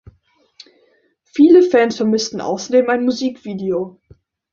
Viele Fans vermissten außerdem ein Musikvideo.